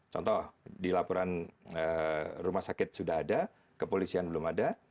contoh di laporan rumah sakit sudah ada kepolisian belum ada